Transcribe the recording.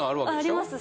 あります